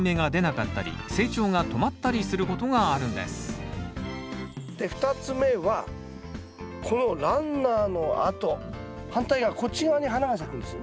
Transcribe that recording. イチゴならでは２つ目はこのランナーの跡反対側こっち側に花が咲くんですよ。